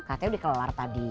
katanya udah kelar tadi